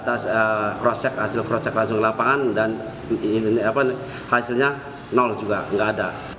ada crosscheck hasil crosscheck langsung ke lapangan dan hasilnya juga tidak ada